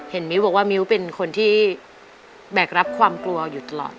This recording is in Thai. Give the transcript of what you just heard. มิ้วบอกว่ามิ้วเป็นคนที่แบกรับความกลัวอยู่ตลอด